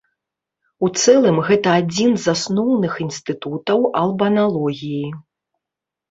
У цэлым гэта адзін з асноўных інстытутаў албаналогіі.